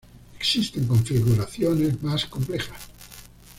Existen configuraciones más complejas.